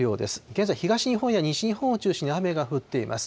現在、東日本や西日本を中心に雨が降っています。